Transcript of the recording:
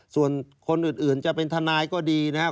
ส่วนคนอื่นจะเป็นทนายก็ดีนะครับ